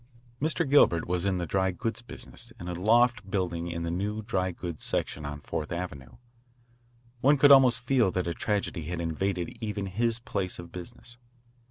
Mr. Gilbert was in the dry goods business in a loft building in the new dry goods section on Fourth Avenue. One could almost feel that a tragedy had invaded even his place of business.